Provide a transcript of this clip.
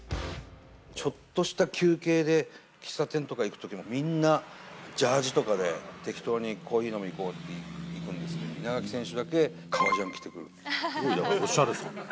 ちょっとした休憩で、喫茶店とか行くときもみんな、ジャージとかで適当にコーヒー飲みに行くんですけど、稲垣選手だすごい、おしゃれさん。